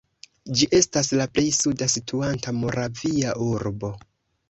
Ĝi estas la plej suda situanta moravia urbo.